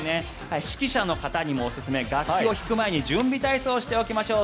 指揮者の方にもおすすめ楽器を弾く前に準備体操しておきましょう。